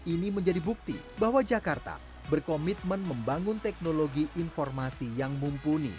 ini menjadi bukti bahwa jakarta berkomitmen membangun teknologi informasi yang mumpuni